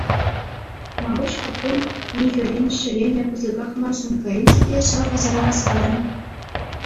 Маруҫ капрун михӗрен ҫӗленӗ пысӑках мар сумка илчӗ те ҫав пасара васкарӗ.